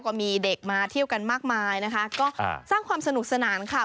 ก็มีเด็กมาเที่ยวกันมากมายนะคะก็สร้างความสนุกสนานค่ะ